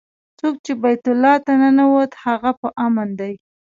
څوک چې بیت الله ته ننوت هغه په امن دی.